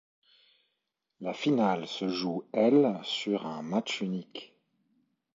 La finale se joue elle sur un match unique.